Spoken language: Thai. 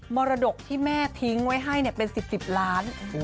มรดกที่แม่ทิ้งไว้ให้เป็น๑๐๑๐ล้าน